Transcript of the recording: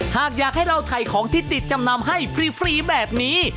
หากอยากให้เราถ่ายของที่ติดจำนำให้ฟรีแบบนี้